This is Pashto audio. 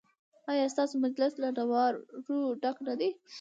ایا ستاسو مجلس له انوارو ډک نه دی؟